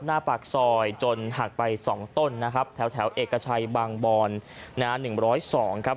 หน้าปากซอยจนหักไป๒ต้นนะครับแถวเอกชัยบางบอนนะฮะ๑๐๒ครับ